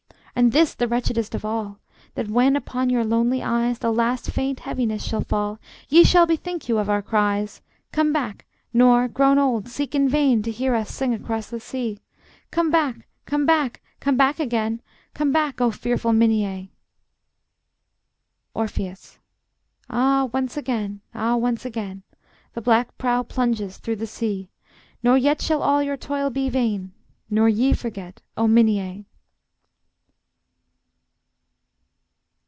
And this the wretchedest of all, That when upon your lonely eyes The last faint heaviness shall fall, Ye shall bethink you of our cries. Come back, nor, grown old, seek in vain To hear us sing across the sea; Come back, come back, come back again, Come back, O fearful Minyæ! Orpheus: Ah, once again, ah, once again, The black prow plunges through the sea; Nor yet shall all your toil be vain, Nor ye forget, O Minyæ!